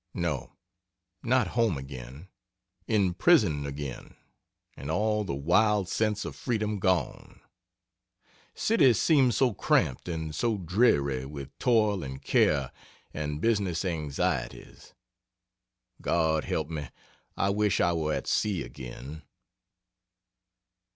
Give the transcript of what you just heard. No not home again in prison again, and all the wild sense of freedom gone. City seems so cramped and so dreary with toil and care and business anxieties. God help me, I wish I were at sea again!"